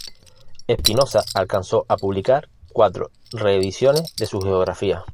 Espinoza alcanzó a publicar cuatro reediciones de su geografía.